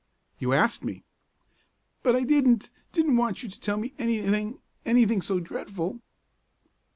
"You asked me!" "But I didn't didn't want you to tell me anything anything so dreadful!"